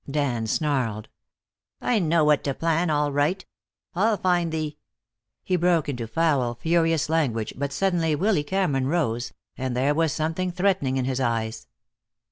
Dan snarled. "I know what to plan, all right. I'll find the " he broke into foul, furious language, but suddenly Willy Cameron rose, and there was something threatening in his eyes.